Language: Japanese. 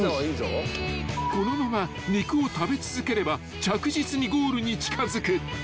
［このまま肉を食べ続ければ着実にゴールに近づく］